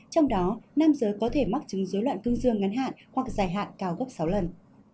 trong đó nam giới có thể mắc chứng dối loạn cương dương ngắn hạn hoặc dài hạn cao gấp sáu lần